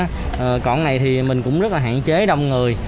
còn này thì mình cũng rất là hạn chế đông người